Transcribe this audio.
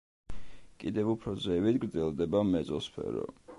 კიდევ უფრო ზევით გრძელდება მეზოსფერო.